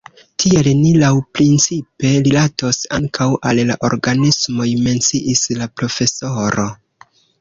Tiel ni laŭprincipe rilatos ankaŭ al la organismoj, menciis la profesoro.